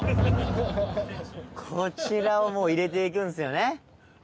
こちらをもう入れていくんですよね。